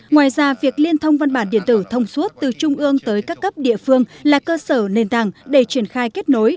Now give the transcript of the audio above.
ngoài ra việc liên thông văn bản điện tử thông suốt từ trung ương tới các cấp địa phương là cơ sở nền tảng để triển khai kết nối